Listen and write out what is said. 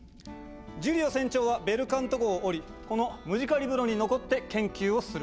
ジュリオ船長はベルカント号をおりこのムジカリブロに残って研究をする。